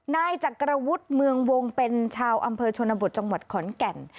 นายจักรวุฒิเมืองวงเป็นชาวอำเภอชนบทจังหวัดขอนแก่น